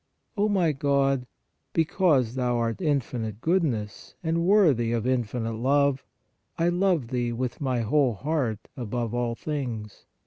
O my God, because Thou art infinite Goodness and worthy of infinite love, I love Thee with my whole heart above all things.